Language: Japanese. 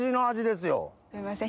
すいません。